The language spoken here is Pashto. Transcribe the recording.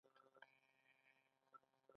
د هرات سیلابونه خطرناک دي